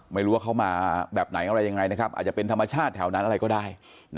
ไม่รู้ว่าเขามาแบบไหนอะไรยังไงนะครับอาจจะเป็นธรรมชาติแถวนั้นอะไรก็ได้